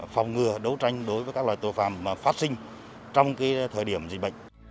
phòng ngừa đấu tranh đối với các loại tội phạm phát sinh trong thời điểm dịch bệnh